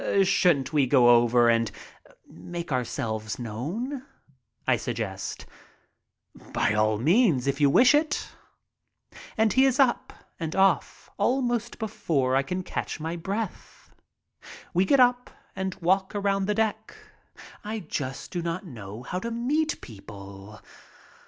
"Shouldn't we go over and make ourselves known?" I suggest. "By all means, if you wish it." And he is up and off almost before I can catch my breath. We get up and walk around the deck. I just do not know how to meet people.